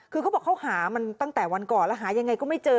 คือเขาบอกเขาหามันตั้งแต่วันก่อนแล้วหายังไงก็ไม่เจอ